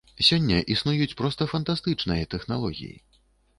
Сёння існуюць проста фантастычныя тэхналогіі.